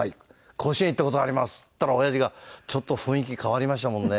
甲子園行った事あります」って言ったらおやじがちょっと雰囲気変わりましたもんね。